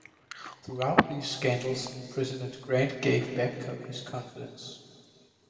Throughout these scandals President Grant gave Babcock his confidence.